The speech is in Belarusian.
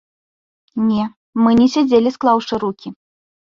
Не, мы не сядзелі склаўшы рукі.